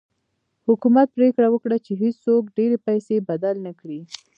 حکومت پرېکړه وکړه چې هېڅوک ډېرې پیسې بدل نه کړي.